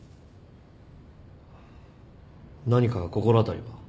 何か心当たりは？